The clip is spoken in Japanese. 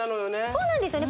そうなんですよね